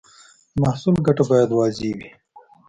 د محصول ګټه باید واضح وي.